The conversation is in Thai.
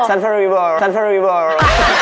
สานฟรานริวอร์